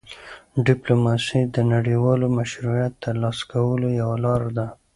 ډيپلوماسي د نړیوال مشروعیت ترلاسه کولو یوه لار ده.